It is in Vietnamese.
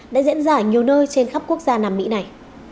đã diễn ra ở nhiều nơi trên khắp quốc gia nam mỹ này